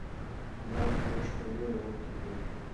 انا په هغه شپه ډېرې اوښکې تویې کړې.